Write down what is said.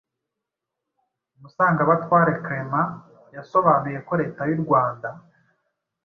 Musangabatware Clement yasobanuye ko Leta y’u Rwanda